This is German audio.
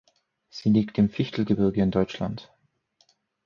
Sie liegt im Fichtelgebirge in Deutschland.